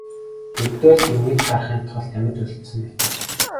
Ердөө л ингэж харахын тулд амьд үлдсэн мэт.